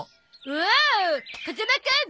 おお風間くん。